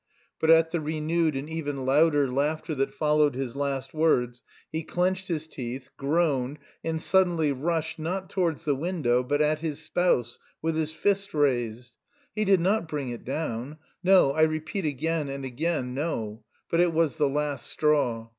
But at the renewed and even louder laughter that followed his last words he clenched his teeth, groaned, and suddenly rushed, not towards the window, but at his spouse, with his fist raised! He did not bring it down no, I repeat again and again, no; but it was the last straw.